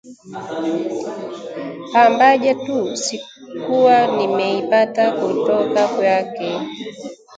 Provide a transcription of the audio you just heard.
Pambaja tu sikuwa nimeipata kutoka kwake